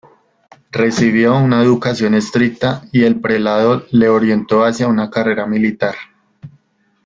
Recibió una educación estricta y el prelado le orientó hacia una carrera militar.